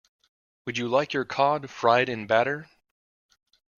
Would you like your cod fried in batter?